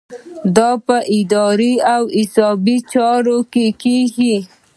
دا په اداري او حسابي چارو کې کیږي.